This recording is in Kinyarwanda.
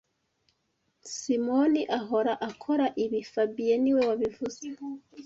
Simoni ahora akora ibi fabien niwe wabivuze